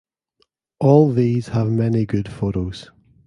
All these have many good photos.